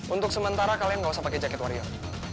untuk sementara kalian gak usah pake jaket warior